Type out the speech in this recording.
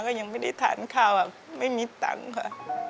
ก็ยังไม่ได้ทานข้าวไม่มีตังค์ค่ะ